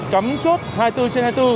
cắm chốt hai mươi bốn trên hai mươi bốn